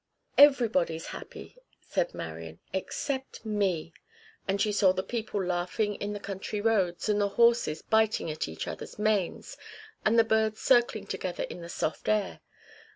"Everybody's happy," said Marian, "except me," as she saw the people laughing in the country roads, and the horses biting at each other's manes, and the birds circling together in the soft air.